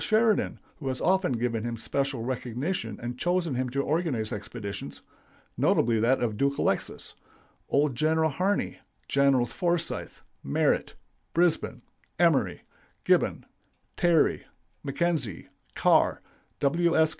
Sheridan (who has often given him special recognition and chosen him to organize expeditions, notably that of the Duke Alexis), old General Harney, Generals Forsyth, Merritt, Brisbin, Emory, Gibbon, Terry, McKenzie, Carr, W. S.